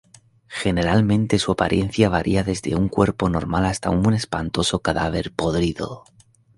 Generalmente su apariencia varía desde un cuerpo normal hasta un espantoso cadáver podrido.